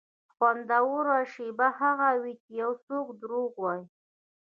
خوندوره شېبه هغه وي چې یو څوک دروغ وایي.